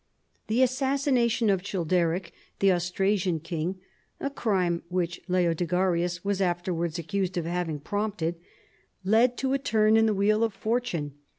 The assassination of Childeric, the Austrasian king (a crime which Leodegarius was afterwards accused of having prompted), led to a turn in the wheel of for tune.